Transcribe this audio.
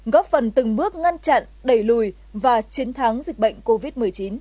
góp phần từng bước ngăn chặn đẩy lùi và chiến thắng dịch bệnh covid một mươi chín